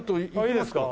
いいですか？